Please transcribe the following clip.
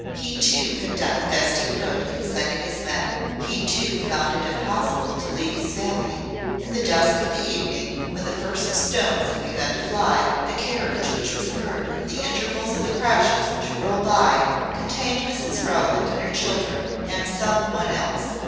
He, too, had done the best he could, in sending his men. He, too, found it impossible to leave his family. In the dusk of the evening, when the first stones had begun to fly, the carriage which was heard, in the intervals of the crashes, to roll by, contained Mrs Rowland and her children, and some one else.